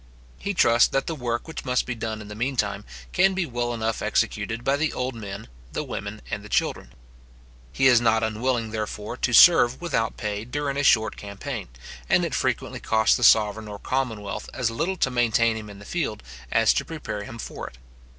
He trusts that the work which must be done in the mean time, can be well enough executed by the old men, the women, and the children. He is not unwilling, therefore, to serve without pay during a short campaign; and it frequently costs the sovereign or commonwealth as little to maintain him in the field as to prepare him for it.